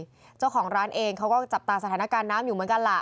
เจ้าของร้านเองเขาก็จับตาสถานการณ์น้ำอยู่เหมือนกันล่ะ